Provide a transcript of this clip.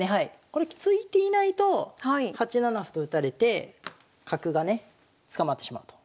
これ突いていないと８七歩と打たれて角がね捕まってしまうと。